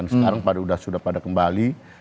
sekarang sudah pada kembali